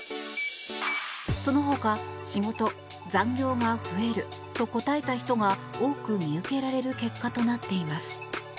その他仕事、残業が増えると答えた人が多く見受けられる結果となっています。